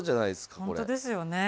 本当ですよね。